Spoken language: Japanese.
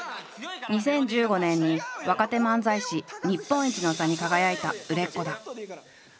２０１５年に若手漫才師日本一の座に輝いた売れっ子だ。